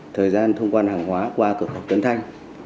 thời gian thông quan hàng hóa qua cửa khẩu tuấn thanh